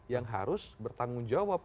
yang harus bertanggung jawab